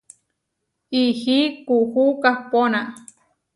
Ihí kuú kahpóna.